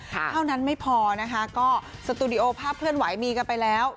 เท่านั้นไม่พอนะคะก็สตูดิโอภาพเคลื่อนไหวมีกันไปแล้ว